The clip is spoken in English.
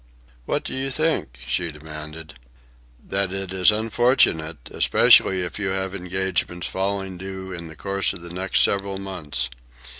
"What do you think?" she demanded. "That it is unfortunate, especially if you have any engagements falling due in the course of the next several months.